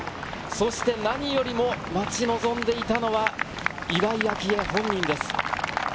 そして何よりも待ち望んでいたのは岩井明愛本人です。